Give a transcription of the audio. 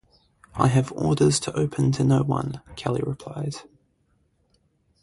"I have orders to open to no one," Kelly replied.